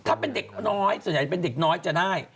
ถ้าเป็นเด็กน้อยส่วนใหญ่จะเป็นเด็กน้อยจะได้